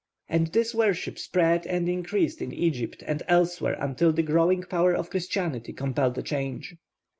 And this worship spread and increased in Egypt and elsewhere until the growing power of Christianity compelled a change.